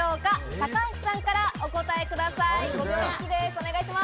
高橋さんからお答えください。